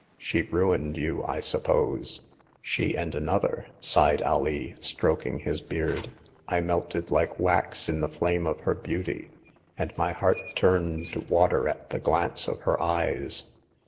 She ruined you, I suppose ?" She and another," sighed Alee, stroking his beard. I melted like wax in the flame of her beauty, and my heart turned to water at the glance of her eyes.